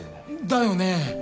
だよねえ！